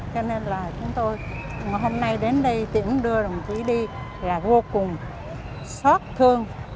cho nên là chúng tôi mà hôm nay đến đây tiễn đưa đồng chí đi là vô cùng xót thương